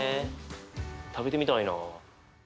食べてみたいな。